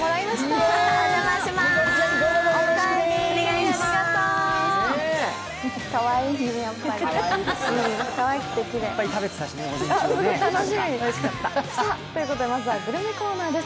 かわいくて綺麗。ということでまずはグルメコーナーです。